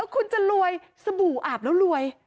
คุณจะรวยสบู่อาบแล้วรวย